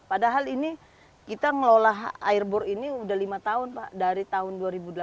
padahal ini kita ngelola airbor ini sudah lima tahun pak dari tahun dua ribu delapan belas